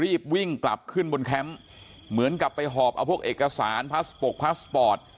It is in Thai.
รีบวิ่งกลับขึ้นบนแคมป์เหมือนกับไปหอบเอาพวกเอกสารพลาสปกพาสปอร์ต